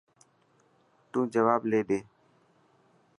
تون جواب لي ڏي.